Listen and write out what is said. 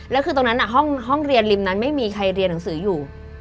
แล้วคือตรงนั้นห้องเรียนริมนั้นไม่มีใครเรียนหนังสืออยู่